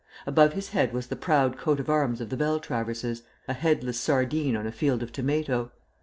Above his head was the proud coat of arms of the Beltraverses a headless sardine on a field of tomato.